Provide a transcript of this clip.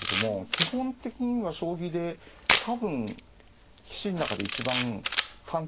基本的には将棋で多分棋士の中で一番短手数派なんですよ。